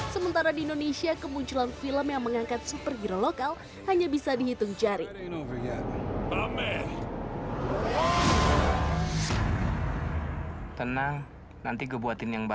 sementara di indonesia kemunculan film yang mengangkat superhero lokal hanya bisa dihitung jari